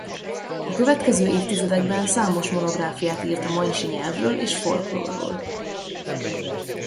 A következő évtizedekben számos monográfiát írt a manysi nyelvről és folklórról.